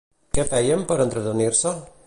Què feien per entretenir-se?